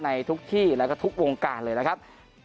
ในทุกที่แล้วก็ทุกวงการเลยนะครับ